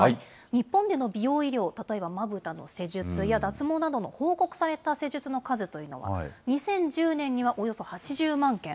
日本での美容医療、例えばまぶたの施術や脱毛などの報告された施術の数というのは、２０１０年にはおよそ８０万件。